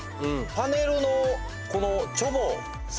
パネルのこのチョボ